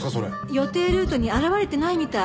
予定ルートに現れてないみたい。